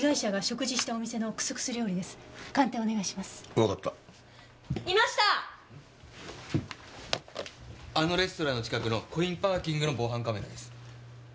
あのレストランの近くのコインパーキングの防犯カメラです。